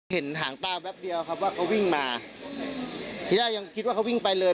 หางตาแป๊บเดียวครับว่าเขาวิ่งมาทีแรกยังคิดว่าเขาวิ่งไปเลย